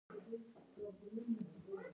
د معدې د مینځلو لپاره د ګرمو اوبو ګډول وکاروئ